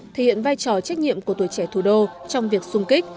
thể hiện vai trò trách nhiệm của tuổi trẻ thủ đô trong việc sung kích